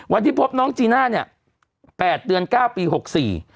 วันที่พบน้องจีน่าเนี่ย๘เดือน๙ปี๖๔